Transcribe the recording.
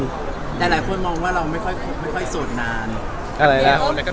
แต่หลายคนมองว่าเราไม่ค่อยโสดนาน